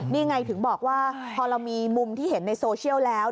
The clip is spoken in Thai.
นี่ไงถึงบอกว่าพอเรามีมุมที่เห็นในโซเชียลแล้ว